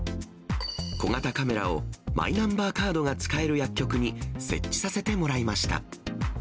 小型カメラを、マイナンバーカードが使える薬局に設置させてもらいました。